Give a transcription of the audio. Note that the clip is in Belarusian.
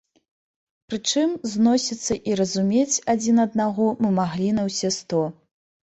Прычым, зносіцца і разумець адзін аднаго мы маглі на ўсе сто.